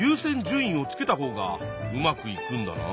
順位をつけたほうがうまくいくんだな。